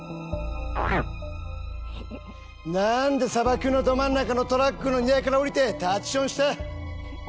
なーんで砂漠のど真ん中のトラックの荷台から降りて立ちションした？